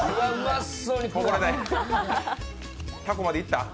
たこまでいった？